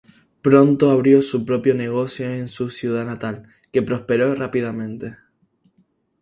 Pronto abrió su propio negocio en su ciudad natal, que prosperó rápidamente.